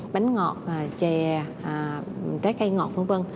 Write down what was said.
bánh ngọt chè trái cây ngọt v v